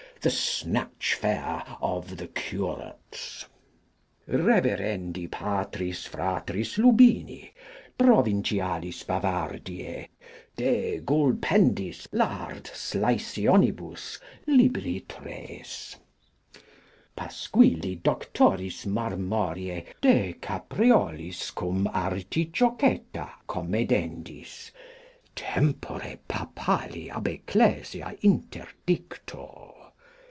The Snatchfare of the Curates. Reverendi patris fratris Lubini, provincialis Bavardiae, de gulpendis lardslicionibus libri tres. Pasquilli Doctoris Marmorei, de capreolis cum artichoketa comedendis, tempore Papali ab Ecclesia interdicto.